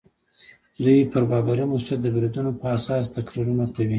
دوی پر بابري مسجد د بریدونو په اساس تقریرونه کوي.